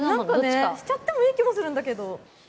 しちゃってもいい気がするんだけど。